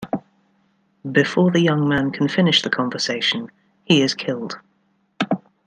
Before the young man can finish the conversation, he is killed.